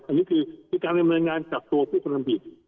อันนี้การทดลองงานจับตัวพิธีธรรมดิต